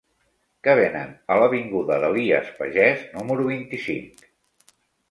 Què venen a l'avinguda d'Elies Pagès número vint-i-cinc?